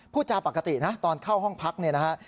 พูดจาปกตินะตอนเข้าห้องพักเนี่ยนะฮะ